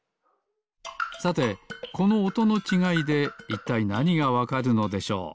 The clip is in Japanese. さてこのおとのちがいでいったいなにがわかるのでしょう？